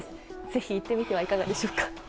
ぜひ行ってみてはいかがでしょうか。